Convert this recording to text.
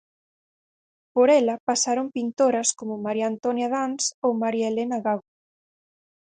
Por ela pasaron pintoras como María Antonia Dans ou María Elena Gago.